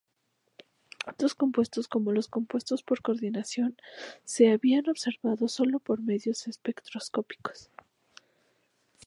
Otros compuestos como los compuestos por coordinación se habían observado sólo por medios espectroscópicos.